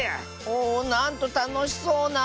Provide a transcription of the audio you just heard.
おおなんとたのしそうな。